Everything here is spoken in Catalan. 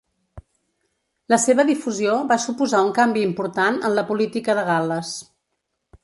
La seva difusió va suposar un canvi important en la política de Gal·les.